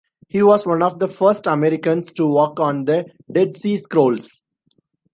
He was one of the first Americans to work on the Dead Sea Scrolls.